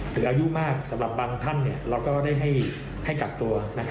อายุมากสำหรับบางท่านเราก็ได้ให้กักตัว